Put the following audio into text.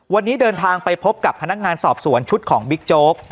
วันนี้เดินทางไปพบกับพนักงานสอบสวนชุดของบิ๊กโจ๊ก